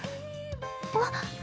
あっ。